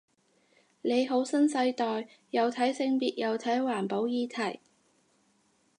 你好新世代，又睇性別又睇環保議題